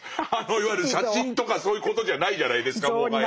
いわゆる写真とかそういうことじゃないじゃないですかもはや。